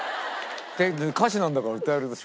「歌手なんだから歌えるでしょ？」